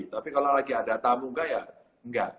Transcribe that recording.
tapi kalau lagi ada tamu nggak ya nggak